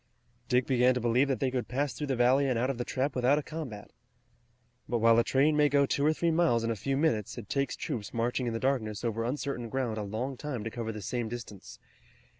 Dick began to believe that they would pass through the valley and out of the trap without a combat. But while a train may go two or three miles in a few minutes it takes troops marching in the darkness over uncertain ground a long time to cover the same distance.